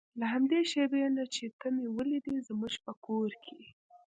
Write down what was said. له همدې شېبې نه چې ته مې ولیدې زموږ په کور کې.